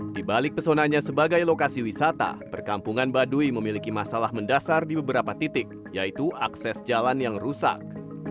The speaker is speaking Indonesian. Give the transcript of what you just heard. di balik pesonanya sebagai lokasi wisata perkampungan baduy memiliki masalah mendasar di beberapa titik yaitu akses jalan yang rusak